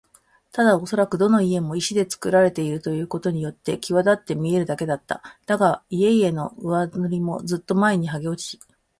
ただおそらくどの家も石でつくられているということによってきわだって見えるだけだった。だが、家々の上塗りもずっと前にはげ落ち、